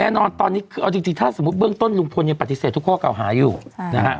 แน่นอนตอนนี้คือเอาจริงถ้าสมมุติเบื้องต้นลุงพลยังปฏิเสธทุกข้อเก่าหาอยู่นะฮะ